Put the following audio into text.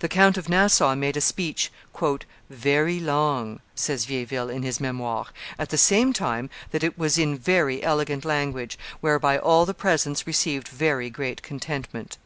The Count of Nassau made a speech "very long," says Vieilleville in his Memoires, "at the same time that it was in very elegant language, whereby all the presence received very great contentment."